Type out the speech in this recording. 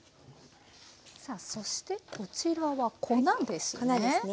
そしてこちらは粉ですね。